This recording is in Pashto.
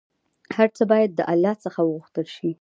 هر څه باید د الله ﷻ څخه وغوښتل شي